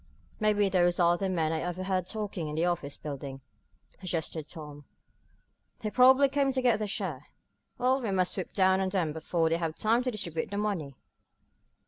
"Maybe those are the men I overheard talking in the office building," suggested Tom. "They probably came to get their share. Well, we must swoop down on them before they have time to distribute the money."